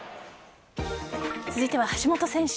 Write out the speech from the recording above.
続いては橋本選手。